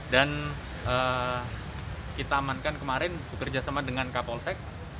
dan kita amankan kemarin bekerja sama dengan kapolsek